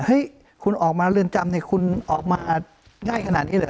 ให้คุณออกมาเรือนจำเนี่ยคุณออกมาง่ายขนาดนี้เหรอ